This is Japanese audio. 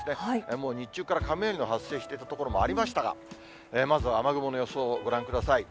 もう日中から雷の発生している所もありましたが、まず、雨雲の予想をご覧ください。